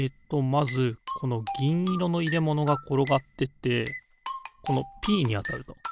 まずこのぎんいろのいれものがころがってってこの「Ｐ」にあたると。